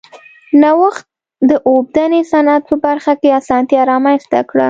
نوښت د اوبدنې صنعت په برخه کې اسانتیا رامنځته کړه.